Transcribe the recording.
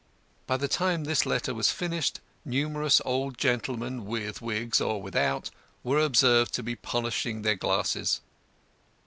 By the time this letter was finished numerous old gentlemen, with wigs or without, were observed to be polishing their glasses.